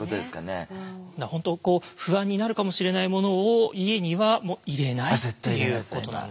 本当不安になるかもしれないものを家には入れないっていうことなんですね。